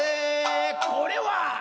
「これは」